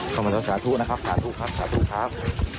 เข้ามาแล้วสาธุนะครับสาธุครับสาธุครับ